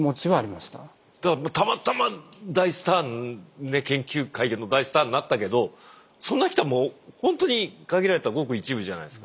たまたま研究界での大スターになったけどそんな人はもうほんとに限られたごく一部じゃないですか。